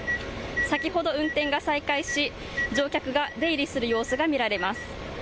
先ほど運転が再開し乗客が出入りする様子が見られます。